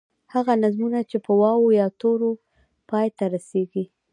هغه نظمونه چې په واو، یا تورو پای ته رسیږي.